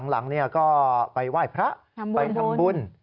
หลังก็ไปไหว้พระไปทำบุญ